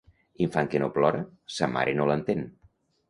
Infant que no plora, sa mare no l'entén.